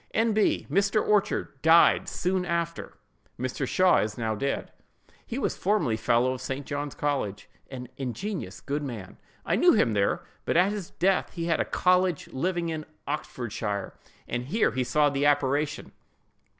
"N. B.—Mr. Orchard died soon after. Mr. Shaw is now dead: he was formerly fellow of St. John's college—an ingenious, good man. I knew him there; but at his death he had a college living in Oxfordshire, and here he saw the apparition."